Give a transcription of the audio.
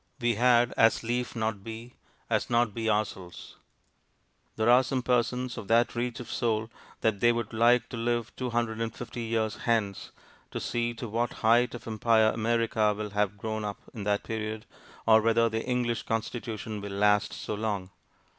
We had as lief not be, as not be ourselves. There are some persons of that reach of soul that they would like to live two hundred and fifty years hence, to see to what height of empire America will have grown up in that period, or whether the English constitution will last so long.